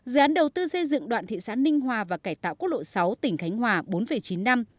dự án đầu tư xây dựng đoạn thị xã ninh hòa và cải tạo quốc lộ sáu tỉnh khánh hòa bốn chín năm